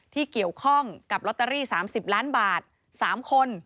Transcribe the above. ที่เกี่ยวข้องกับลอตเตอรี่๓๐ล้านบาท๓คน